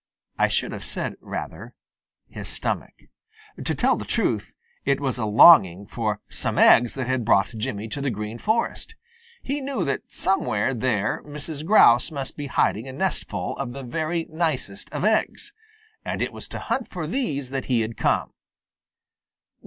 I should have said, rather, his stomach. To tell the truth, it was a longing for some eggs that had brought Jimmy to the Green Forest. He knew that somewhere there Mrs. Grouse must be hiding a nestful of the very nicest of eggs, and it was to hunt for these that he had come.